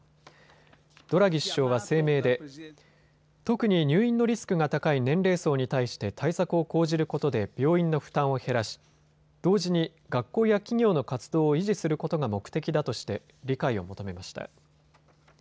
ドラギ首相は声明で特に入院のリスクが高い年齢層に対して対策を講じることで病院の負担を減らし同時に学校や企業の活動を維持することが目的だとして理解を求めました。